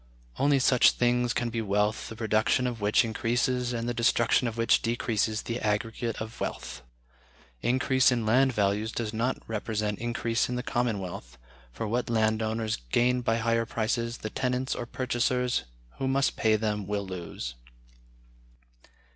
Only such things can be wealth the production of which increases and the destruction of which decreases the aggregate of wealth.... Increase in land values does not represent increase in the common wealth, for what land owners gain by higher prices the tenants or purchasers who must pay them will lose."